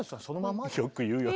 よく言うよ。